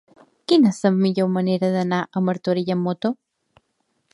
Quina és la millor manera d'anar a Martorell amb moto?